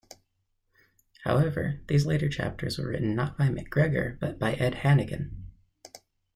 However, these later chapters were written not by McGregor but by Ed Hannigan.